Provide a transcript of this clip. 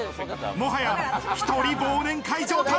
もはや１人忘年会状態。